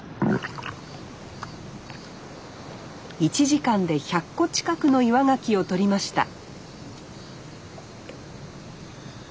１時間で１００個近くの岩ガキをとりました